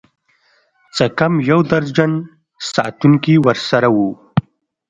څه کم يو درجن ساتونکي ورسره وو.